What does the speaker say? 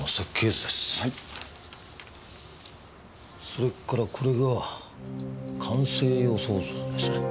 それからこれが完成予想図ですね。